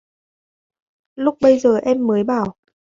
Lúc bây giờ em mới bảo